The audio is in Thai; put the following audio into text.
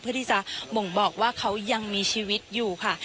ที่จะบ่งบอกว่าเขายังมีชีวิตอยู่ค่ะ